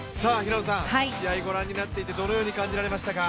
試合、ご覧になっていて、どのように感じられましたか？